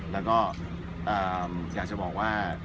แล้วก็อยากจะบอกว่า